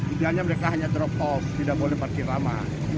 idealnya mereka hanya drop off tidak boleh parkir lama